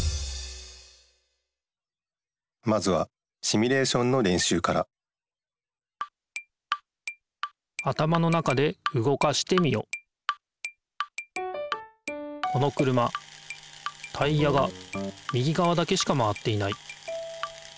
まずはシミュレーションのれんしゅうからこの車タイヤが右がわだけしか回っていない。